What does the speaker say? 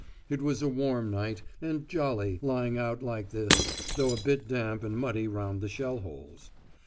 It was a warm night, and jolly lying out like this, though a bit damp and muddy round the shell holes.